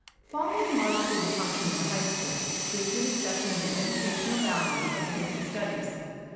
Following logically the function of the high school, is the discussion of the educational value of the different studies.